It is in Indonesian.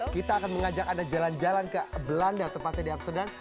kita akan mengajak anda jalan jalan ke belanda tepatnya di amsterdam